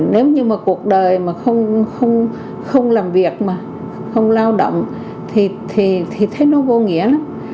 nếu như mà cuộc đời mà không làm việc mà không lao động thì thấy nó vô nghĩa lắm